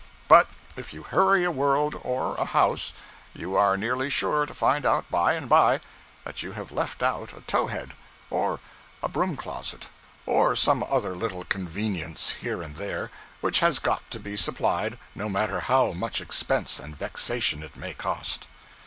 But if you hurry a world or a house, you are nearly sure to find out by and by that you have left out a towhead, or a broom closet, or some other little convenience, here and there, which has got to be supplied, no matter how much expense and vexation it may cost.